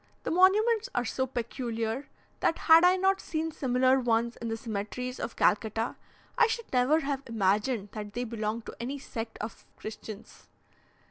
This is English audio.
The monuments are so peculiar, that had I not seen similar ones in the cemeteries of Calcutta, I should never have imagined that they belonged to any sect of Christians.